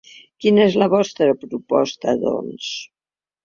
Quina és la vostra proposta, doncs?